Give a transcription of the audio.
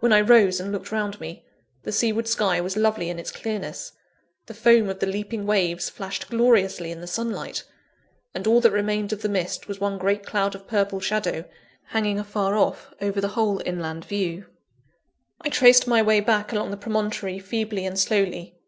When I rose and looked around me, the seaward sky was lovely in its clearness; the foam of the leaping waves flashed gloriously in the sunlight: and all that remained of the mist was one great cloud of purple shadow, hanging afar off over the whole inland view. I traced my way back along the promontory feebly and slowly.